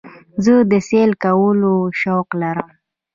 زه د سیل کولو شوق لرم.